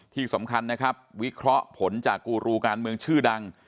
ที่สำคัญนะครับวิเคราะห์ผลจากกูรูการเมืองชื่อดัง